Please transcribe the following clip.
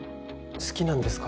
好きなんですか？